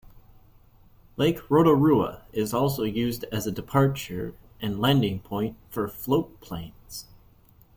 Lake Rotorua is also used as a departure and landing point for float planes.